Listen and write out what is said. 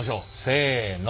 せの。